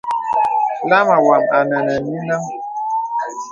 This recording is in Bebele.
Lāma wām anə̀ nè nìnəŋ.